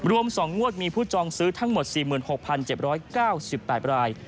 รวม๒งวดมีผู้จองซื้อทั้งหมด๔๖๗๙๘ราย